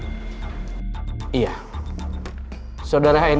dan dia juga sudah mengaku yang dia sudah mencari iqbal di kampus ini